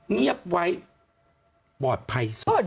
เงียบไว้ปลอดภัยสุด